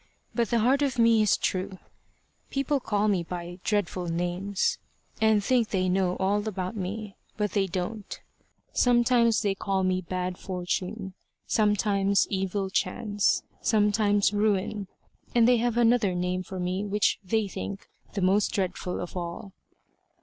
But the heart of me is true. People call me by dreadful names, and think they know all about me. But they don't. Sometimes they call me Bad Fortune, sometimes Evil Chance, sometimes Ruin; and they have another name for me which they think the most dreadful of all."